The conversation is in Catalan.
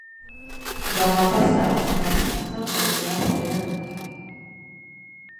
Demà passat na Sança anirà a Ribera d'Ondara.